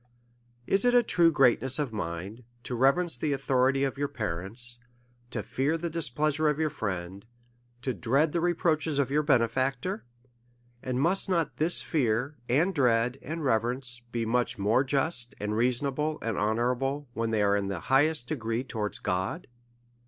Is it a true greatness of mind to reverence the authority of your parents, to fear the displeasure of your friend, to dread the reproaches of your bene factor? and must not this fear, and dread, and rever ence, be much more just, and reasonable, and honour able, when they are in the highest degree towards God